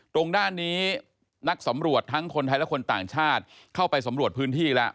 ตรงด้านนี้นักสำรวจทั้งคนไทยและคนต่างชาติเข้าไปสำรวจพื้นที่แล้ว